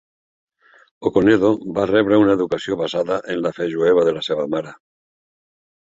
Okonedo va rebre una educació basada en la fe jueva de la seva mare.